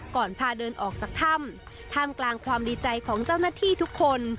พาเดินออกจากถ้ำท่ามกลางความดีใจของเจ้าหน้าที่ทุกคน